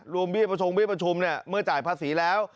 เบี้ประชงเบี้ประชุมเนี่ยเมื่อจ่ายภาษีแล้ว